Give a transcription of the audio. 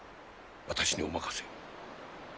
私にお任せを。